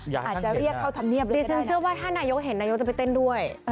อย่าให้ท่านเห็นนะดีซึ่งเชื่อว่าถ้านายกเห็นนายกจะไปเต้นด้วย